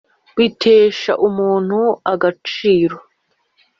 bitesha umuntu agaciro